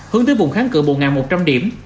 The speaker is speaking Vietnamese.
hướng tới vùng kháng cự một một trăm linh điểm